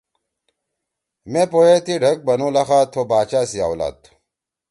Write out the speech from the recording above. مے پو ئے تی ڈھک بنُو لخا تھو باچا سی آولاد تُھو۔